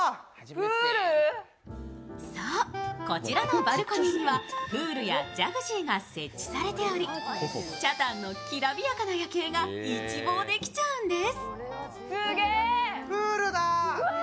そう、こちらのバルコニーにはプールやジャグジーが設置されており北谷のきらびやかな夜景が一望できちゃうんです。